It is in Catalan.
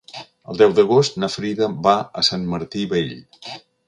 El deu d'agost na Frida va a Sant Martí Vell.